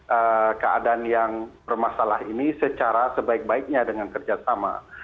untuk menentukan keadaan yang bermasalah ini secara sebaik baiknya dengan kerja sama